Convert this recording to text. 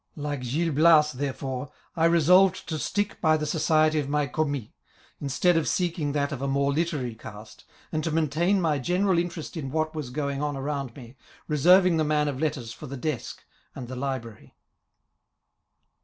Like Gil Bias, therefore, I resolved to stick by the society of my eommis, instead of seeking that of a more literary cast, and to maintain my general interest in what was going Digitized by VjOOQIC 8 INTRODUCTION TO TH« on around me, reserving the man of letters for the desk and the library.